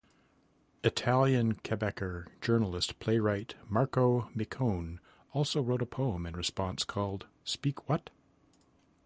Italian-Quebecer journalist playwright Marco Micone also wrote a poem in response called Speak What?